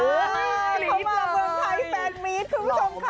เขามาเมืองไทยแฟนมีทคุณผู้ชมค่ะ